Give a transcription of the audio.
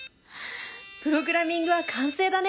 プログラミングは完成だね！